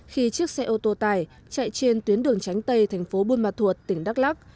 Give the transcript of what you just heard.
khi chiếc xe ô tô tải chạy trên tuyến đường tránh tây thành phố buôn ma thuột tỉnh đắk lắc